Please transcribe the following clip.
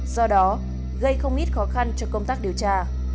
do đó gây không ít khó khăn cho công tác điều tra